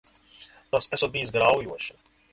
Tas esot bijis graujoši.